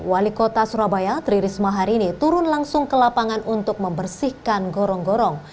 wali kota surabaya tri risma hari ini turun langsung ke lapangan untuk membersihkan gorong gorong